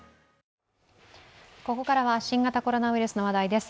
ここからは新型コロナウイルスの話題です。